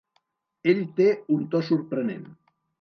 Ell té un to sorprenent.